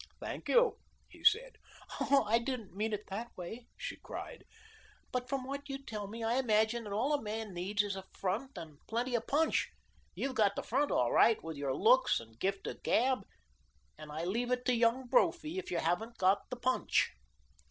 "Thank you," he said. "Oh, I didn't mean it that way," she cried. "But from what you tell me I imagine that all a man needs is a front and plenty of punch. You've got the front all right with your looks and gift of gab, and I leave it to Young Brophy if you haven't got the punch."